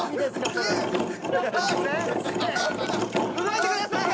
動いてください。